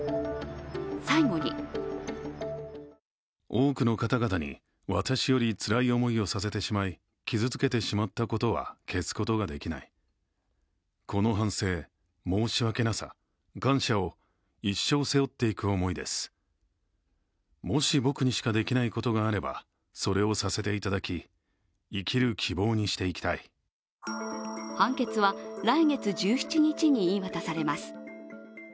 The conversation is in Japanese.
最後に判決は来月１７日に言い渡されます。